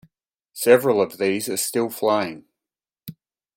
Several of these are still flying.